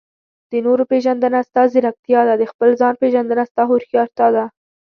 د نورو پېژندنه؛ ستا ځیرکتیا ده. د خپل ځان پېژندنه؛ ستا هوښيارتيا ده.